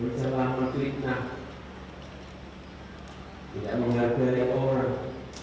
menjelang fitnah tidak menghadapi orang